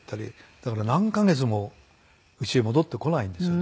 だから何カ月も家へ戻ってこないんですよね。